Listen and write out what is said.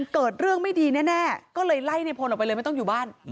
เกิดเรื่องไม่ดีแน่ก็เลยไล่ในพลออกไปเลยไม่ต้องอยู่บ้าน